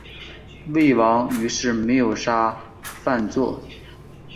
魏王于是没有杀范痤。